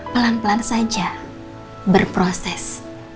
pelan pelan saja berproses